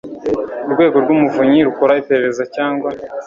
urwego rw umuvunyi rukora iperereza cyangwa